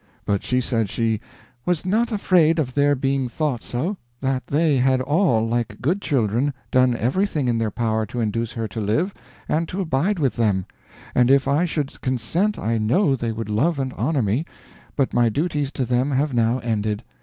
But she said she "was not afraid of their being thought so; that they had all, like good children, done everything in their power to induce her to live, and to abide with them; and if I should consent I know they would love and honor me, but my duties to them have now ended.